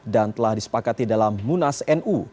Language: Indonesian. dan telah disepakati dalam munas nu